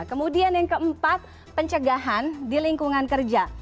kemudian yang keempat pencegahan di lingkungan kerja